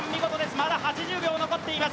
まだ８０秒残っています。